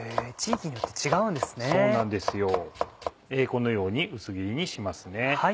このように薄切りにしますね。